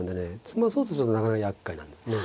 詰まそうとするとなかなかやっかいなんですね。